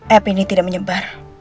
app ini tidak menyebar